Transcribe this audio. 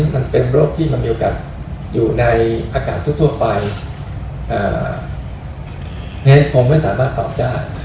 มันเป็นโรคที่มันมีโอกาสอยู่ในอากาศทั่วไปงั้นคงไม่สามารถตอบได้